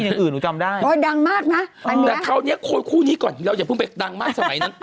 เหมือนกับคนเราเวลาที่ไม่สบายต่อ